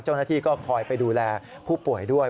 เจ้าหน้าที่ก็คอยไปดูแลผู้ป่วยด้วย